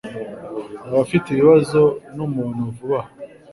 yaba afite ibibazo numuntu vuba aha